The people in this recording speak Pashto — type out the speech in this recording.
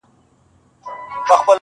څه پیالې پیالې را ګورې څه نشه نشه ږغېږې-